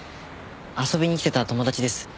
遊びに来てた友達です。